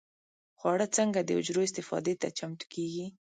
خواړه څنګه د حجرو استفادې ته چمتو کېږي؟